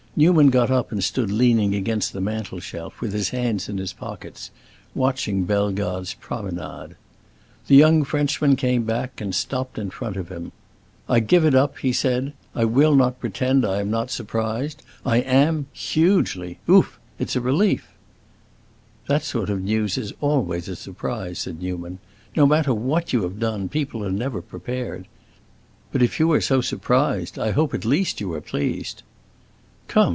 Newman got up and stood leaning against the mantel shelf, with his hands in his pockets, watching Bellegarde's promenade. The young Frenchman came back and stopped in front of him. "I give it up," he said; "I will not pretend I am not surprised. I am—hugely! Ouf! It's a relief." "That sort of news is always a surprise," said Newman. "No matter what you have done, people are never prepared. But if you are so surprised, I hope at least you are pleased." "Come!"